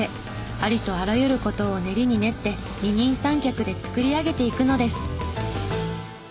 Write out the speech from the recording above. ありとあらゆる事を練りに練って二人三脚で作り上げていくのです。